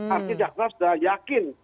artinya jaksa sudah yakin